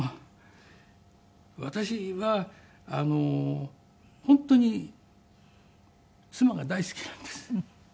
私は本当に妻が大好きなんです。